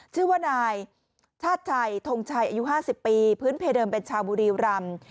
ชื่อว่านายชาติชัยทงชัยอายุ๕๐ปีพื้นเพเดิมเป็นชาวบุรีรำ